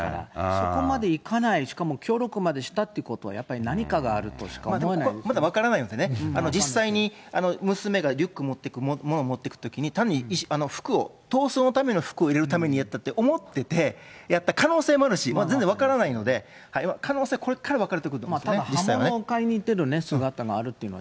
そこまでいかない、しかも協力までしたってことは、やっぱり何まだ分からないのでね、実際に娘がリュック持ってく、ものを持っていくときに、単に服を、逃走のための服を入れるためにやったって思ってて、やった可能性もあるし、全然分からないので、可能性はこれから分かるけど、実刃物を買いに行ってる姿があ